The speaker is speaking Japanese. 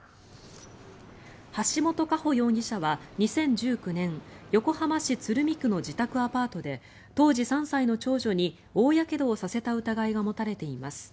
橋本佳歩容疑者は２０１９年横浜市鶴見区の自宅アパートで当時３歳の長女に大やけどをさせた疑いが持たれています。